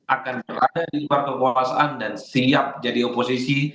akan berada di luar kekuasaan dan siap jadi oposisi